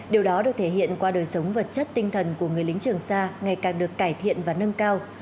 điều đó được thể hiện qua đời sống vật chất tinh thần của người lính trường sa ngày càng được cải thiện và nâng cao